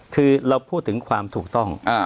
คือเราพูดถึงความถูกต้อง